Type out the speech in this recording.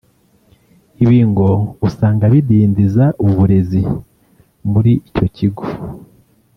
Ibi ngo usanga bidindiza uburezi muri icyo kigo